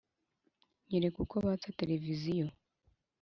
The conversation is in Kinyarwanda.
Nyereka uko batsa tereviziyo